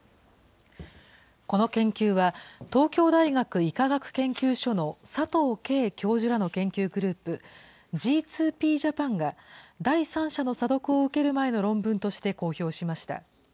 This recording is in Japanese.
この研究は、東京大学医科学研究所の佐藤佳教授らの研究グループ、Ｇ２ＰーＪａｐａｎが、第三者の査読を受ける前の論文として公表しました。